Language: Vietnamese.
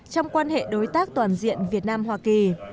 trong quan hệ đối tác toàn diện việt nam hoa kỳ